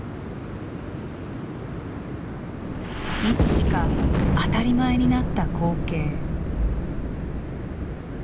いつしか当たり前になった光景。